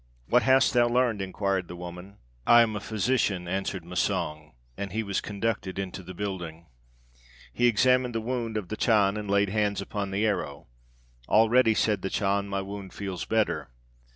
'What hast thou learned?' inquired the woman. 'I am a physician,' answered Massang; and he was conducted into the building. He examined the wound of the Chan, and laid hands upon the arrow. 'Already,' said the Chan, 'my wound feels better.'